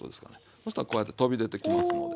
そしたらこうやって飛び出てきますので。